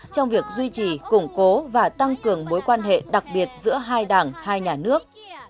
trong việc duy trì củng cố và tăng cường mối quan hệ đặc biệt giữa hai đảng hai nhà nước